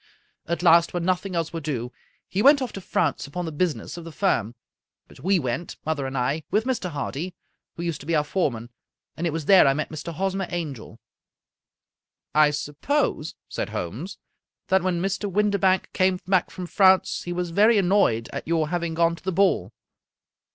At last, when nothing else would do, he went off to France upon the business of the firm; but we went, mother and I, with Mr. Hardy, who used to be our foreman, and it was there I met Mr. Hosmer Angel." " I suppose," said Holmes, " that when Mr. Windibank came back from France, he was very annoyed at your having gone to the ball?"